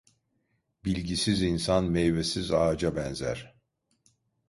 Bilgisiz insan meyvesiz ağaca benzer.